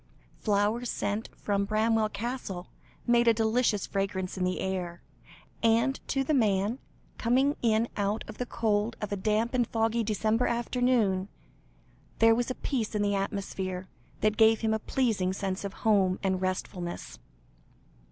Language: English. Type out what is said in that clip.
Flowers sent from Bramwell Castle, made a delicious fragrance in the air, and to the man, coming in out of the cold of a damp and foggy December afternoon, there was a peace in the atmosphere, that gave him a pleasing sense of home and restfulness.